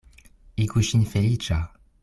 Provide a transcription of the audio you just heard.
Igu ŝin feliĉa!